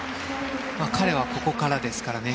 彼はここからですからね。